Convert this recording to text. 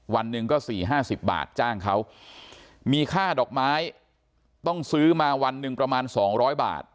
วันหนึ่งก็สี่ห้าสิบบาทจ้างเขามีค่าดอกไม้ต้องซื้อมาวันหนึ่งประมาณสองร้อยบาท